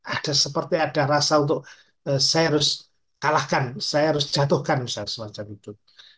ada seperti ada rasa untuk saya harus kalahkan saya harus jatuhkan misalnya semacam itu